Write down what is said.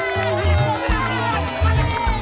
yang bobek aja arief